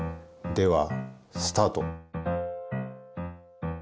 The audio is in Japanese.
ではスタート。